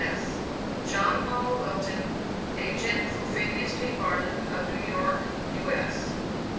S.] JOHN HALL WILTON, Agent for PHINEAS T. BARNUM, of New York, U. S.